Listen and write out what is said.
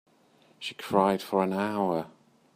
She cried for an hour.